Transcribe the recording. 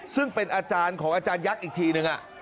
ซึ่งเป็นอาจารย์ของอาจารยักษ์อีกทีนึง